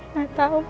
nggak tahu mas